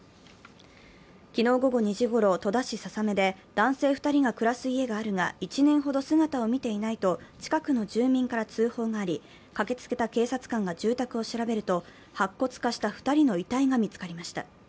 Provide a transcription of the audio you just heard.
昨日午後２時ごろ、戸田市笹目で男性２人が暮らす家があるが１年ほど姿を見ていないと近くの住民から通報があり、駆けつけた警察官が住宅を調べると、白骨化した２人の遺体が見つかりました。